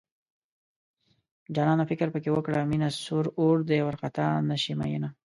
جانانه فکر پکې وکړه مينه سور اور دی وارخطا نشې مينه